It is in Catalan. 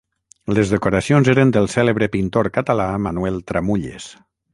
Les decoracions eren del cèlebre pintor català Manuel Tramulles.